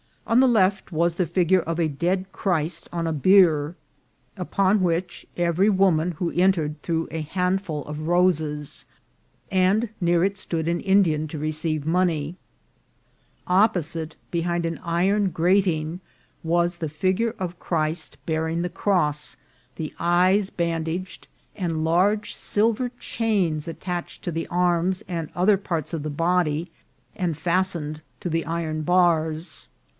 On the left was the fig ure of a dead Christ on a bier, upon which every woman VOL. II.— D D 210 INCIDENTS OF TRAVEL. who entered threw a handful of roses, and near it stood an Indian to receive money. Opposite, behind an iron grating, was the figure of Christ bearing the cross, the eyes bandaged, and large silver chains attached to the arms and other parts of the body, and fastened to the iron bars.